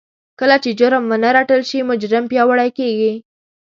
کله چې جرم ونه رټل شي مجرم پياوړی کېږي.